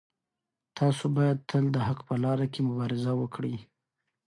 تاسو باید تل د حق په لاره کې مبارزه وکړئ.